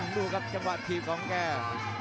ดูครับจังหวะถีบของแก